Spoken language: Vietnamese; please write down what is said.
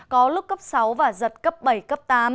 có lúc cấp sáu và giật cấp bảy cấp tám